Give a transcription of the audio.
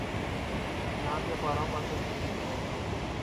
یہاں کے پہاڑوں پر کستوری ہرن